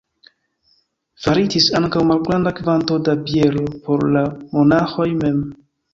Faritis ankaŭ malgranda kvanto da biero por la monaĥoj mem.